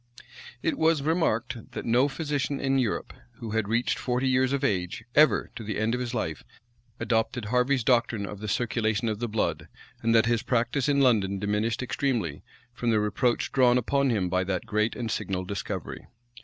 It was remarked, that no physician in Europe, who had reached forty years of age, ever, to the end of his life, adopted Harvey's doctrine of the circulation of the blood; and that his practice in London diminished extremely, from the reproach drawn upon him by that great and signal discovery.